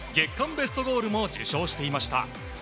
ベストゴールも受賞していました。